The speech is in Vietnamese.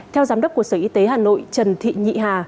theo giám đốc của sở y tế hà nội trần thị nhị hà